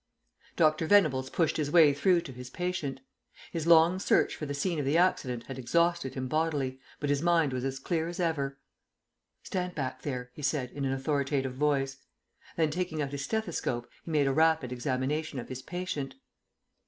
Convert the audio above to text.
Dr. Venables pushed his way through to his patient. His long search for the scene of the accident had exhausted him bodily, but his mind was as clear as ever. "Stand back there," he said in an authoritative voice. Then, taking out his stethoscope, he made a rapid examination of his patient.